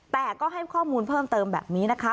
แต่ก็ให้ข้อมูลเพิ่มเติมแบบนี้นะคะ